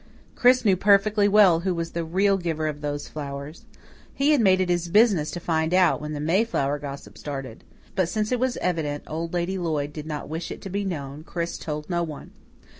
Chris knew perfectly well who was the real giver of those flowers. He had made it his business to find out when the Mayflower gossip started. But since it was evident Old Lady Lloyd did not wish it to be known, Chris told no one.